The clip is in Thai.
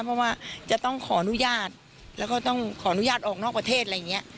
เพราะว่าจะต้องขออนุญาตแล้วก็ต้องขออนุญาตออกนอกประเทศอะไรอย่างนี้